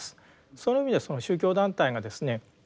その意味ではその宗教団体がですね